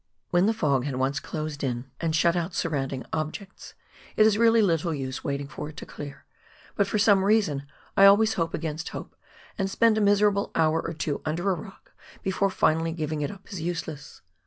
When the fog has once closed in and shut out surrounding 112 PIONEER WORK IN THE ALPS OF NEW ZEALAND, objects, it is really little use waiting for it to clear, but for some reason I always hope against hope, and spend a miserable bour or two under a rock, before finally giving it up as useless.